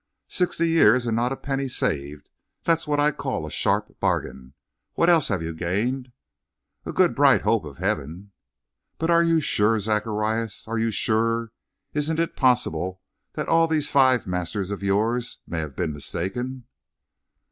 "Sixty years and not a penny saved! That's what I call a sharp bargain! What else have you gained?" "A good bright hope of heaven." "But are you sure, Zacharias? Are you sure? Isn't it possible that all these five masters of yours may have been mistaken?"